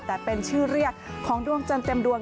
แต่เป็นชื่อเรียกของดวงจันทร์เต็มดวง